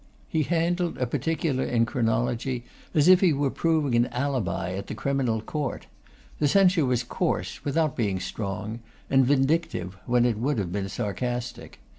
He handled a particular in chronology as if he were proving an alibi at the Criminal Court. The censure was coarse without being strong, and vindictive when it would have been sarcastic.